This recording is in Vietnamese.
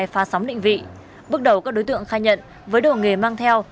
phá sóng lịnh vị bước đầu các đối tượng khai nhận với đồ nghề mang theo